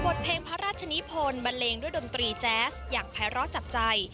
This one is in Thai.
เพลงพระราชนิพลบันเลงด้วยดนตรีแจ๊สอย่างภัยร้อจับใจ